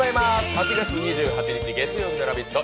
８月２８日月曜日の「ラヴィット！」